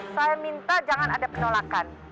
saya minta jangan ada penolakan